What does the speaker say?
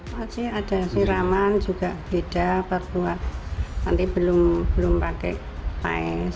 masih ada siraman juga beda perbuat nanti belum pakai pais